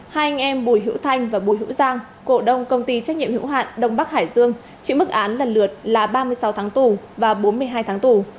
hai anh em bùi hữu thanh và bùi hữu giang cổ đông công ty trách nhiệm hữu hạn đông bắc hải dương chịu mức án lần lượt là ba mươi sáu tháng tù và bốn mươi hai tháng tù